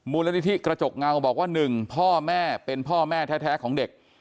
มูลนิธิกระจกเงาบอกว่า๑พ่อแม่เป็นพ่อแม่แท้ของเด็ก